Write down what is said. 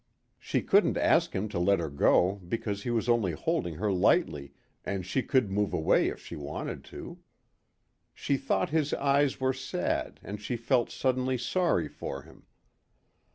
She couldn't ask him to let her go because he was only holding her lightly and she could move away if she wanted to. She thought his eyes were sad and she felt suddenly sorry for him.